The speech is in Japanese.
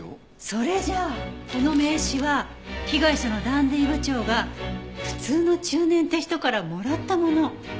それじゃあこの名刺は被害者のダンディー部長が普通の中年って人からもらったもの。